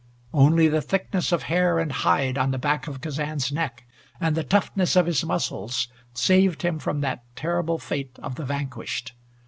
Only the thickness of hair and hide on the back of Kazan's neck, and the toughness of his muscles, saved him from that terrible fate of the vanquished.